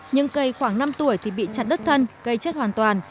những cây khoảng năm tuổi thì bị chặt đứt thân gây chết hoàn toàn